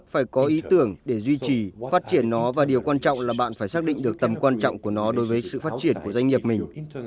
phải có ý tưởng để duy trì phát triển nó và điều quan trọng là bạn phải xác định được tầm quan trọng của nó đối với sự phát triển của doanh nghiệp mình